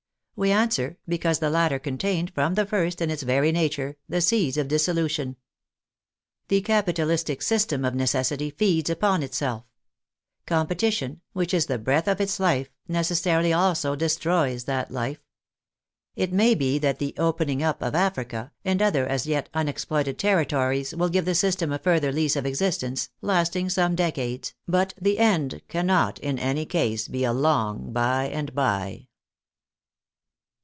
We answer, because the latter contained, from the first, in its very nature, the seeds of dissolution. The capitalistic system of ne cessity feeds upon itself. Competition, which is the breath of its life, necessarily also destroys that life. It may be that the "opening up" of Africa, and other as yet unexploited territories, will give the system a further lease of existence, lasting some decades, but the end can not in any case be a long by and by.